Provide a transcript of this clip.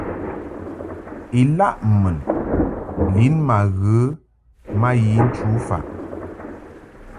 Ilaʼ mun lin ma ghə ma yi nchu faʼ.